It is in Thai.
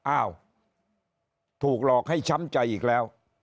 อ้าวถูกหลอกให้ช้ำใจอีกแล้ว